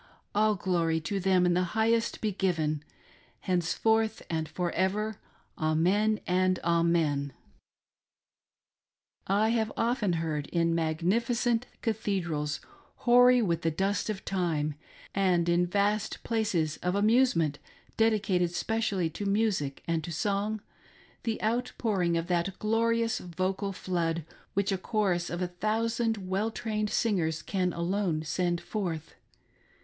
All glory to them in the highest be given, Henceforth and for ever : Amen, and Amen ! I have often heard in magnificent cathedrals, hoary with the dust of time, and in vast places of amusement dedicated specially to music and to song, the outpouring of that glorious vocal flood, which a chorus of a thousand well trained singers, can alone send forth.